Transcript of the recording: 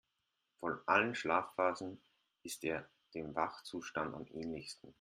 Von allen Schlafphasen ist er dem Wachzustand am ähnlichsten.